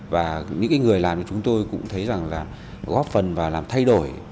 và những người làm cho chúng tôi cũng thấy rằng là góp phần và làm thay đổi